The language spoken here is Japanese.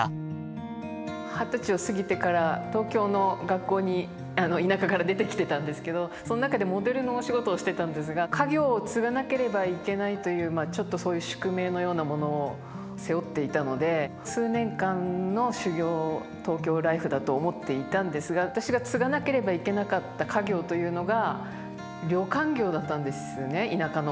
二十歳を過ぎてから東京の学校に田舎から出てきてたんですけどそん中でモデルのお仕事をしてたんですが家業を継がなければいけないというちょっとそういう宿命のようなものを背負っていたので数年間の修業東京ライフだと思っていたんですが私が継がなければいけなかった家業というのが旅館業だったんですね田舎の。